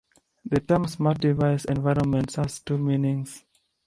The term "Smart Device Environments" has two meanings.